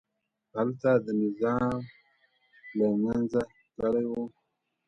هلته دا نظام له منځه تللي وو.